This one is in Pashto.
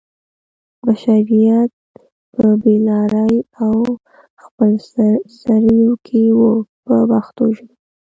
بشریت په بې لارۍ او خپل سرویو کې و په پښتو ژبه.